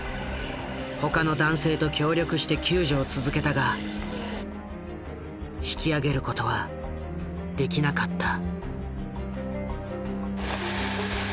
他の男性と協力して救助を続けたが引き上げることはできなかった。